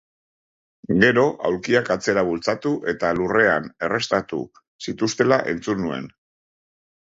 Gero, aulkiak atzera bultzatu, eta lurrean herrestatu zituztela entzun nuen.